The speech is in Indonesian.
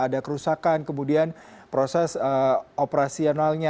ada kerusakan kemudian proses operasionalnya